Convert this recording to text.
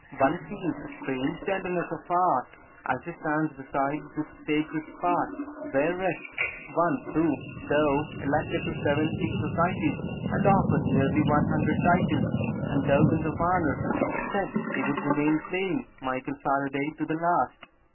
One feels a strange tenderness of heart as he stands beside this sacred spot where rests one, who, though elected to seventy societies, and offered nearly one hundred titles and tokens of honor, said he "would remain plain Michael Faraday to the last."